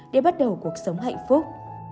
để bắt đầu cuộc sống hạnh phúc